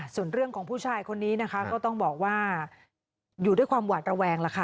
ส่วนเรื่องของผู้ชายคนนี้นะคะก็ต้องบอกว่าอยู่ด้วยความหวาดระแวงล่ะค่ะ